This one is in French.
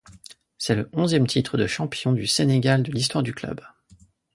C'est le onzième titre de champion du Sénégal de l'histoire du club.